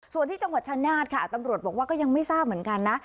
ส่วนที่จังหวัดชะนาฏค่ะตำรวจบอกว่าก็ยังไม่ทราบเหมือนกันนะ